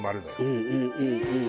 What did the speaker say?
うんうんうんうん！